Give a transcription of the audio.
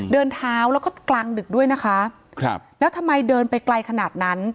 เดินเท้าแล้วก็กลางดึกด้วยนะคะครับแล้วทำไมเดินไปไกลขนาดนั้น